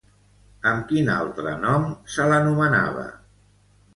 Amb quin altre nom se l'anomenava?